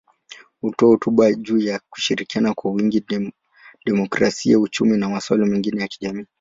Hutoa hotuba juu ya kushirikiana kwa wingi, demokrasia, uchumi na masuala mengine ya kijamii.